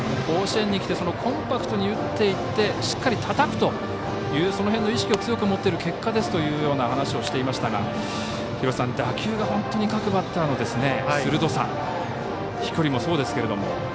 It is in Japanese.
甲子園に来てコンパクトに打っていってしっかりたたくというその辺の意識を強く持っている結果ですというような話をしていましたが打球が本当に各バッターの鋭さ飛距離もそうですけども。